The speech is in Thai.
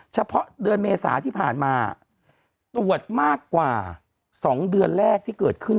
เฉพาะเดือนเมษาที่ผ่านมาตรวจมากกว่า๒เดือนแรกที่เกิดขึ้น